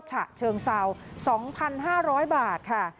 ฉะเชิงเสา๒๕๐๐บาท